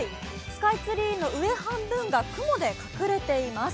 スカイツリーの上半分が雲で隠れています。